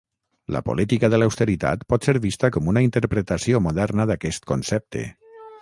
La política de l'austeritat pot ser vista com una interpretació moderna d'aquest concepte.